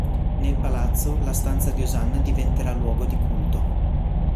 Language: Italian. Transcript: Nel palazzo la stanza di Osanna diventerà luogo di culto.